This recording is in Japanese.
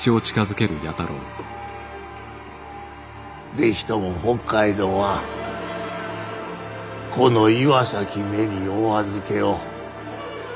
是非とも北海道はこの岩崎めにお預けを。